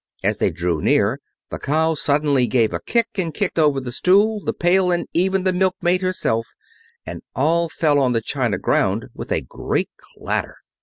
As they drew near, the cow suddenly gave a kick and kicked over the stool, the pail, and even the milkmaid herself, and all fell on the china ground with a great clatter.